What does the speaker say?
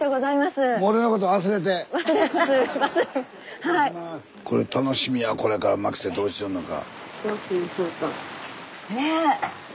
スタジオこれ楽しみやこれから牧瀬どうすんのか。